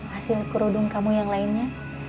hasil kerudung kamu yang lainnya